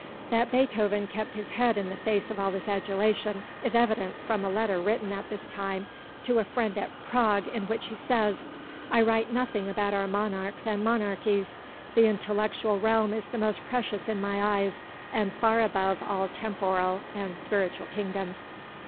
That Beethoven kept his head in the face of all this adulation is evident from a letter written at this time to a friend at Prague in which he says, "I write nothing about our monarchs and monarchies. The intellectual realm is the most precious in my eyes, and far above all temporal and spiritual kingdoms."